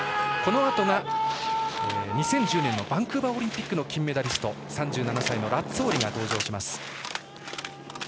このあとに２０１０年のバンクーバーオリンピックの金メダリスト３７歳のラッツォーリです。